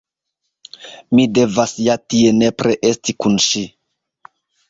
Mi devas ja tie nepre esti kun ŝi.